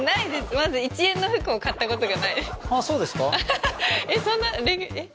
まず１円の服を買ったことがないあっ